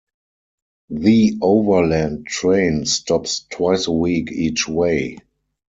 "The Overland" train stops twice a week each way.